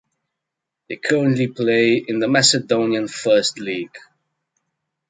They currently play in the Macedonian First League.